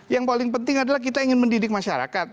yang paling penting adalah kita ingin mendidik masyarakat